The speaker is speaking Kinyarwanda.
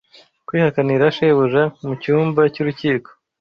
kwihakanira Shebuja mu cyumba cy’urukiko